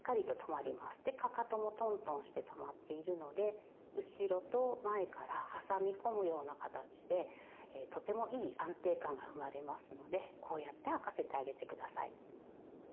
でかかともトントンしてとまっているので後ろと前から挟み込むような形でとてもいい安定感が生まれますのでこうやって履かせてあげて下さい。